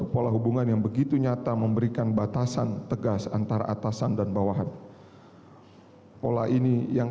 pola ini yang kadang